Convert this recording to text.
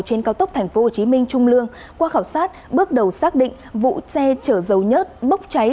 trên cao tốc tp hcm trung lương qua khảo sát bước đầu xác định vụ xe chở dầu nhớt bốc cháy